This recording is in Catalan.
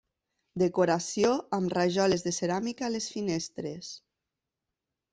Decoració amb rajoles de ceràmica a les finestres.